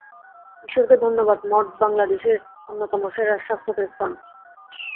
ঈশ্বরকে ধন্যবাদ, মঠ বাঙলাদেশের অন্যতম সেরা স্বাস্থ্যকর স্থান।